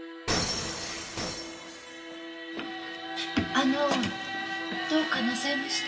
あのどうかなさいました？